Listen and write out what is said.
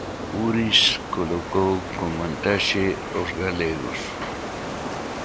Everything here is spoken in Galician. Uriz colocou con vantaxe aos galegos.